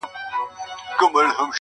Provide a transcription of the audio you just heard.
چي د وخت له تاریکیو را بهر سي,